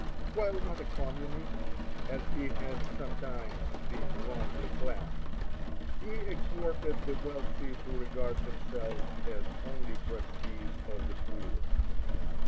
While not a communist, as he has sometimes been wrongly classed, he exhorted the wealthy to regard themselves as only trustees of the poor.